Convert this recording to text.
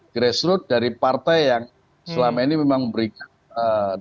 grassroot dari partai yang selama ini memang memberikan ee